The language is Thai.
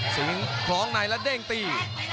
สิงค์พร้องในและเด้งตี